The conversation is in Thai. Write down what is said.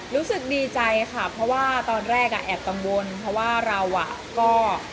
รู้สึกดีใจค่ะเพราะว่าตอนแรกอ่ะแอบกังวลเพราะว่าเราอ่ะก็